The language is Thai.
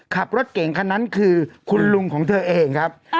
ขับรถเก่งคันนั้นคือคุณลุงของเธอเองครับ